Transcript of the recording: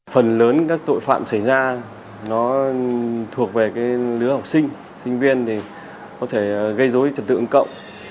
phần lớn các tội phạm xảy ra nó thuộc về lứa học sinh sinh viên thì có thể gây dối trật tự ứng cộng